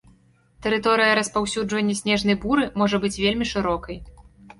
Тэрыторыя распаўсюджвання снежнай буры можа быць вельмі шырокай.